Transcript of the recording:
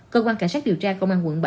cơ quan cảnh sát điều tra công an quận bảy